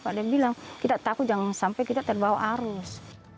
ada yang bilang kita takut jangan sampai kita terbawa arus